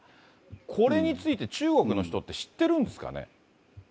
これについて中国の人って知ってるんですかね。